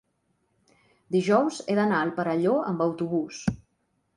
dijous he d'anar al Perelló amb autobús.